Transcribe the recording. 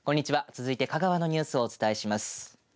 続いて香川のニュースをお伝えします。